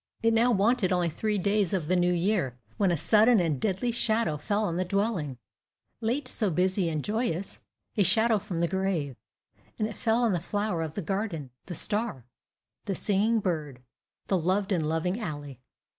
It now wanted only three days of the New Year, when a sudden and deadly shadow fell on the dwelling, late so busy and joyous a shadow from the grave; and it fell on the flower of the garden the star the singing bird the loved and loving Ally.